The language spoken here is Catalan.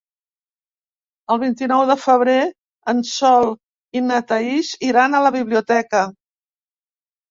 El vint-i-nou de febrer en Sol i na Thaís iran a la biblioteca.